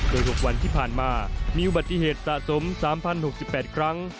โดย๖วันที่ผ่านมามีอุบัติเหตุสะสม๓๐๖๘ครั้ง